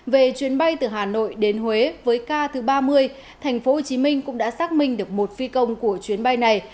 về chuyến bay từ hà nội đến huế với ca thứ ba mươi tp hcm cũng đã xác minh được một phi công của chuyến bay này